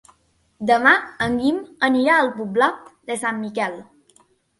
Demà en Guim anirà a la Pobla de Sant Miquel.